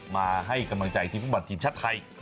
มาให้กำลังใจทีมฟุตบอลทีมชาติไทย